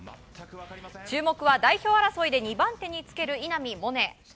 注目は代表争いで２番手につける稲見萌寧。